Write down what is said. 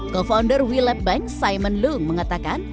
co founder welab bank simon leung mengatakan